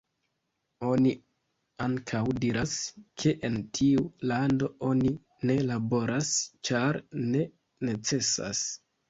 Oni ankaŭ diras, ke en tiu lando oni ne laboras, ĉar ne necesas.